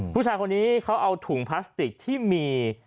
ผู้ชายคนนี้เขาเอาถุงพลาสติกที่มี